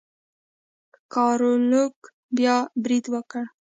ګارلوک بیا برید وکړ.